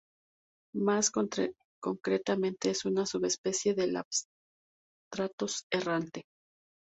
Más concretamente es una subespecie del albatros errante.